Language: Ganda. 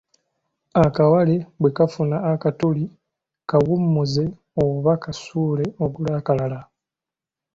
Akawale bwekafuna akatuli, kawummuze oba kasuule ogule akalala.